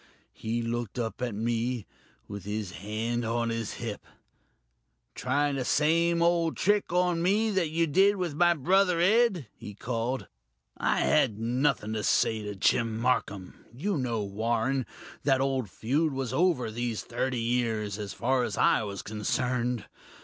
He looked up at me, with his hand on his hip. 'Trying the same old trick on me that you did with my brother Ed?' he called. I had nothing to say to Jim Marcum you know, Warren, that old feud was over these thirty years, as far as I was concerned.